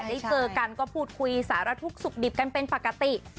ได้เจอกันก็พูดคุยสารทุกข์สุขดิบกันเป็นปกติ